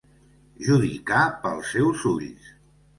Judicar pels seus ulls.